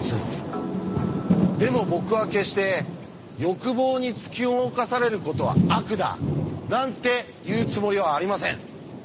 でも僕は決して「欲望に突き動かされることは悪だ」なんて言うつもりはありません。